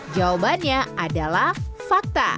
jawabannya adalah fakta